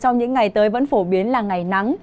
trong những ngày tới vẫn phổ biến là ngày nắng